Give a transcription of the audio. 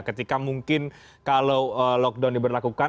ketika mungkin kalau lockdown diberlakukan